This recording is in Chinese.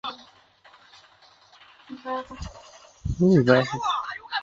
县治安东尼。